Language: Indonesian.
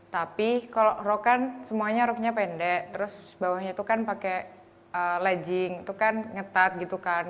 tapi kalau rok kan semuanya roknya pendek terus bawahnya itu kan pakai ledjing itu kan ngetat gitu kan